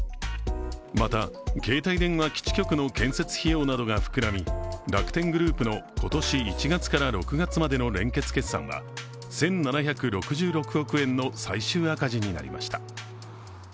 また、携帯電話基地局の建設費用などが膨らみ、楽天グループの今年１月から６月までの連結決算は、１７６６億円の最終赤字になりました。